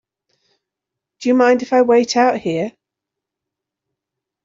Do you mind if I wait out here?